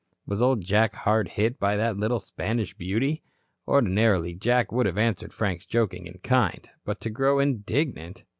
Was old Jack hard hit by that little Spanish beauty? Ordinarily, Jack would have answered Frank's joking in kind. But to grow indignant!